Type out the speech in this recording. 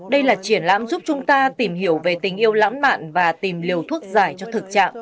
đây là triển lãm giúp chúng ta tìm hiểu về tình yêu lãm mạn và tìm liều thuốc giải cho thực trạng